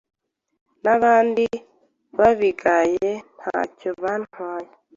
nabandi babigaye ntacyo bantwaye